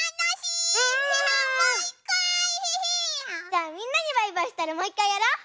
じゃあみんなにバイバイしたらもういっかいやろう！